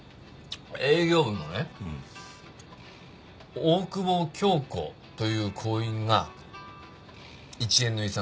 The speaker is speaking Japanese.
営業部のね大久保杏子という行員が１円の違算